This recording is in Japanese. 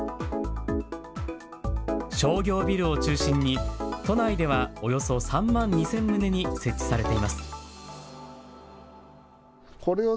商業ビルを中心に都内ではおよそ３万２０００棟に設置されています。